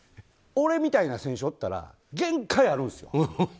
俺みたいな選手おったら限界あるんですよ。